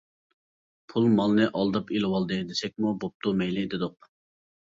پۇل مالنى ئالداپ ئېلىۋالدى دېسەكمۇ بوپتۇ مەيلى دېدۇق.